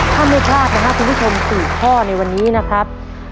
ถ้าไม่พลาดนะครับคุณผู้ชม๔ข้อในวันนี้นะครับ